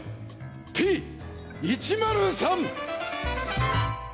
Ｐ１０３！